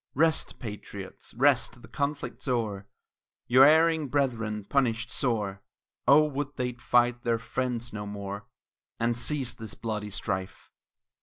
Rest, patriots, rest; the conflict's o'er, Your erring brethren punished sore; Oh, would they'd fight their friends no more, And cease this bloody strife.